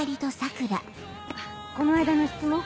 この間の質問